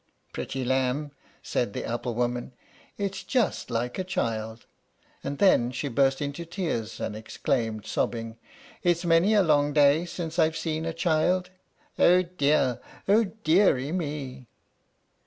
"Pretty lamb!" said the apple woman; "It's just like a child." And then she burst into tears, and exclaimed, sobbing, "It's many a long day since I've seen a child. Oh dear! oh deary me!"